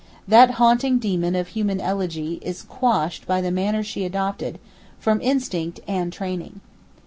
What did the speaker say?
That haunting demon of human eulogy is quashed by the manner she adopted, from instinct and training.